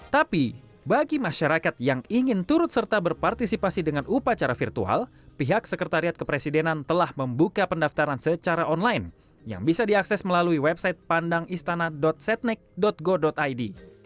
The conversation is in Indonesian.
tapi bagi masyarakat yang ingin turut serta berpartisipasi dengan upacara virtual pihak sekretariat kepresidenan telah membuka pendaftaran secara online yang bisa diakses melalui website pandangistana setnek go id